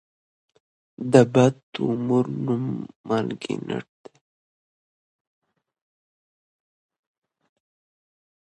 د بد تومور نوم مالېګننټ دی.